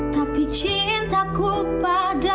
tapi cintaku pada